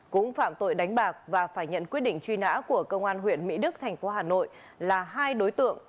cũng phạm tội đánh bạc và phải nhận quyết định truy nã của công an huyện mỹ đức thành phố hà nội là hai đối tượng